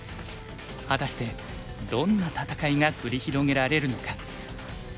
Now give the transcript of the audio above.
果たしてどんな戦いが繰り広げられるのか。